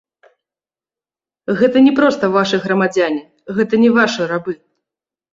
Гэта не проста вашы грамадзяне, гэта не вашы рабы.